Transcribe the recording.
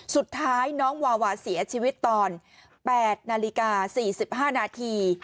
สุดท้ายน้องวาวาเสียชีวิตตอน๘นาฬิกา๔๕นาที